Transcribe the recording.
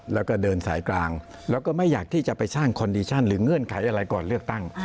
แล้วก็เดินสายกลางแล้วก็ไม่อยากที่จะไปสร้างคอนดิชั่นหรือเงื่อนไขอะไรก่อนเลือกตั้ง